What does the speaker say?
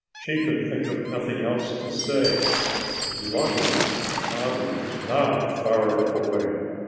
She could think of nothing else to say. Luckily Bobby was not far away.